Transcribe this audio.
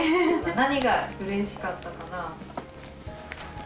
何がうれしかったかな？